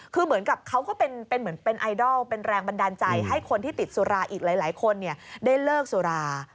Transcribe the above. คือเหมือนกับเขาก็เป็นเหมือนเป็นไอดอลเป็นแรงบันดาลใจให้คนที่ติดสุราอีกหลายคนได้เลิกสุรา